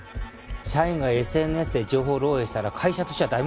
社員がＳＮＳで情報漏洩したら会社としては大問題だよ。